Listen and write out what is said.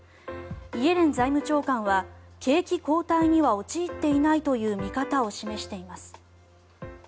イエレン財務長官は景気後退には陥っていないという見方を示しています。